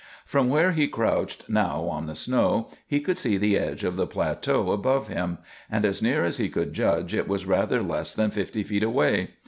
From where he crouched now on the snow he could see the edge of the plateau above him, and as near as he could judge it was rather less than fifty feet away.